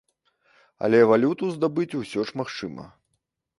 Але валюту здабыць усё ж магчыма.